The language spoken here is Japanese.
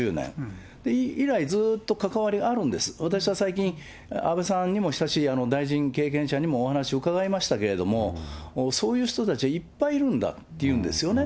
以来ずっと関わりあるんです、私は最近、安倍さんにも親しい大臣経験者にもお話を伺いましたけど、そういう人たちはいっぱいいるんだというんですね。